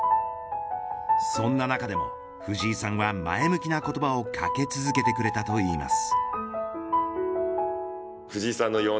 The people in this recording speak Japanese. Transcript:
そんな中でも藤井さんは前向きな言葉をかけ続けてくれたといいます。